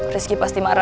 rizki pasti marah ya